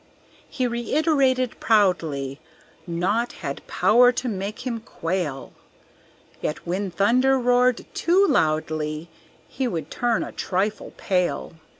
He reiterated proudly Naught had power to make him quail; Yet when thunder roared too loudly He would turn a trifle pale.